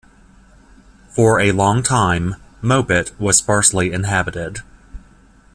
For a long time, Moabit was sparsely inhabited.